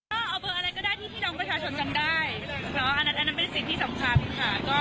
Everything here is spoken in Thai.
ก็เอาเบอร์อะไรก็ได้ที่พี่น้องประชาชนจำได้อันนั้นเป็นสิ่งที่สำคัญค่ะ